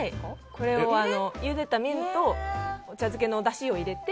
これは、ゆでた麺とお茶漬けのだしを入れて